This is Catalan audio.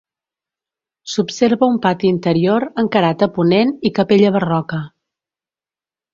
S'observa un pati interior encarat a ponent i capella barroca.